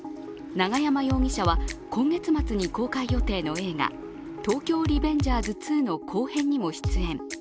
永山容疑者は今月末に公開予定の映画「東京リベンジャーズ２」の後編にも出演。